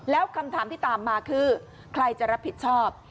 แล้วคำถามที่ตามมาคือใครจะรับผิดชอบ